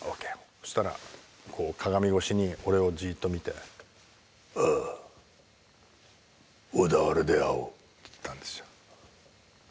そしたらこう鏡越しに俺をじっと見て「ああ小田原で会おう」って言ったんですよ。